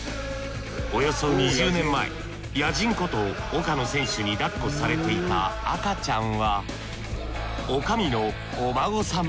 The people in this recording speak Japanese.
およそ２０年前野人こと岡野選手に抱っこされていた赤ちゃんは女将のお孫さん。